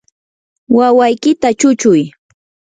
wawaykita chuchuy.